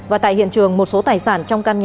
và tại hiện trường một số tài sản trong căn nhà